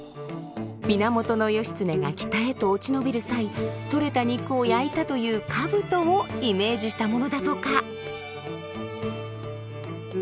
源義経が北へと落ち延びる際取れた肉を焼いたというかぶとをイメージしたものだとか。